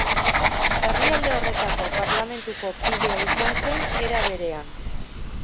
Herrialde horretako Parlamentuko kidea izan zen, era berean.